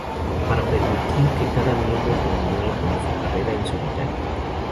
Para permitir que cada miembro continuara con su carrera en solitario.